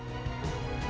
ya sudah ya sudah